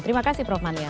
terima kasih prof manlian